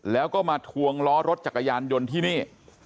แล้วก็มาทวงล้อรถจักรยานยนต์ที่นี่